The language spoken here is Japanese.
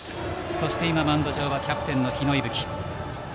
そして今マウンド上はキャプテンの日野勇吹。